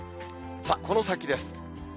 さあ、この先です。